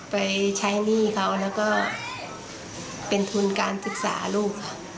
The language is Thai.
ไปใช้หนี้เขาแล้วก็เป็นทุนการศึกษาลูกค่ะ